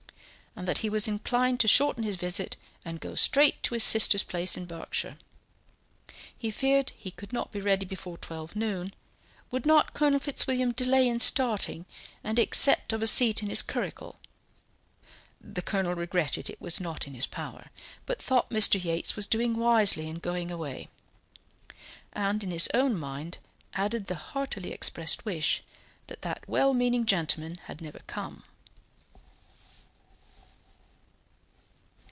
and that he was inclined to shorten his visit and go straight to his sister's place in Berkshire. He feared he could not be ready before twelve noon would not Colonel Fitzwilliam delay in starting, and accept of a seat in his curricle? The Colonel regretted it was not in his power, but thought Mr. Yates was doing wisely in going away; and in his own mind added the heartily expressed wish that that well meaning gentleman had never come.